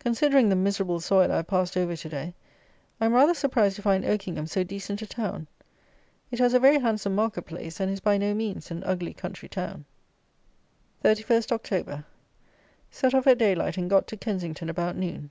Considering the miserable soil I have passed over to day, I am rather surprised to find Oakingham so decent a town. It has a very handsome market place, and is by no means an ugly country town. 31 October. Set off at daylight and got to Kensington about noon.